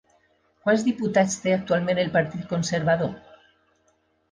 Quants diputats té actualment el Partit Conservador?